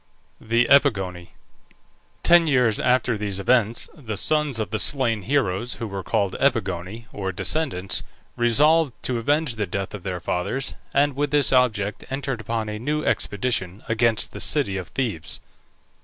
THE EPIGONI. Ten years after these events the sons of the slain heroes, who were called Epigoni, or descendants, resolved to avenge the death of their fathers, and with this object entered upon a new expedition against the city of Thebes.